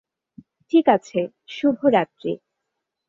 ঠিক আছে, শুভরাত্রি।